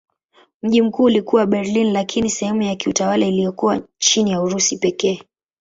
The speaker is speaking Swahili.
Mji mkuu ulikuwa Berlin lakini sehemu ya kiutawala iliyokuwa chini ya Urusi pekee.